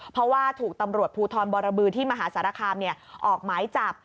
เพราะว่าถูกตำรวจภูทรบรบือที่มหาสารคามออกหมายจับ